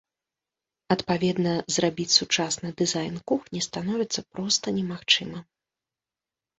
Адпаведна, зрабіць сучасны дызайн кухні становіцца проста немагчымым.